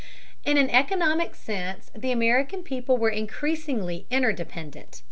In an economic sense the American people were increasingly interdependent.